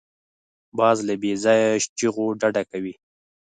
باز له بېځایه چیغو ډډه کوي